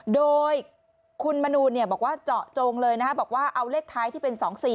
โดยคุณมนูนบอกว่าเจาะจงเลยบอกว่าเอาเลขท้ายที่เป็น๒๔